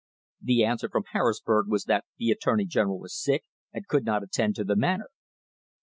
The answer from Harrisburg was that the attorney general was sick and could not attend to the matter.